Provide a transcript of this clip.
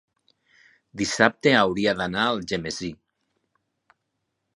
Dissabte hauria d'anar a Algemesí.